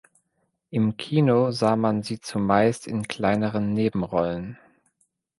Im Kino sah man sie zumeist in kleineren Nebenrollen.